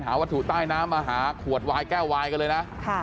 หาวัตถุใต้น้ำมาหาขวดวายแก้ววายกันเลยนะ